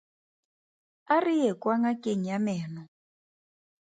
A re ye kwa ngakeng ya meno.